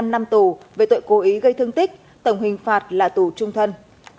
năm năm tù về tội cố ý gây thương tích tổng hình phạt là tù trung thân